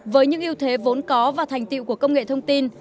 với những yêu thế vốn có và thành tựu của công nghệ thông tin